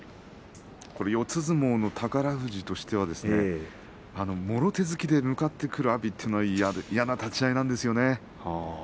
相撲の宝富士としてはもろ手突きで向かってくる阿炎というのは嫌な立ち合いなんですよね。